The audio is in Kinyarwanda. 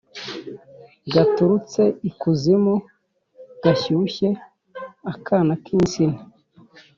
Gaturutse ikuzimu gashyushye-Akana k'insina.